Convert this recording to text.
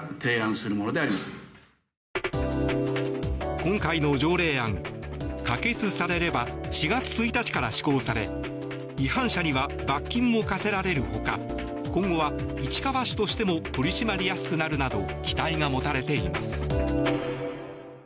今回の条例案、可決されれば４月１日から施行され違反者には罰金も科せられるほか今後は市川市としても取り締まりやすくなるなど期待が持たれています。